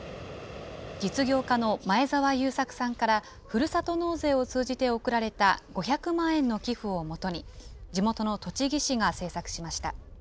実業家の前澤友作さんから、ふるさと納税を通じて贈られた５００万円の寄付をもとに、地元の栃木市が制作しました。